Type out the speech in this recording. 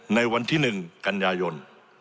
ในวันที่๑กันยายน